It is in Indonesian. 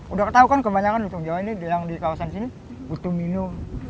udah ketahukan kebanyakan lutung jawa ini di kawasan sini butuh minum